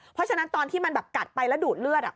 เพราะฉะนั้นตอนที่มันแบบกัดไปแล้วดูดเลือด